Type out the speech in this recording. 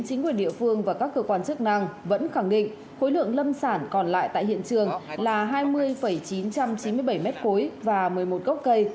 chính quyền địa phương và các cơ quan chức năng vẫn khẳng định khối lượng lâm sản còn lại tại hiện trường là hai mươi chín trăm chín mươi bảy m ba và một mươi một gốc cây